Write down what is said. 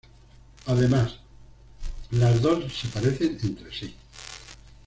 Además, las dos se parecen entre sí.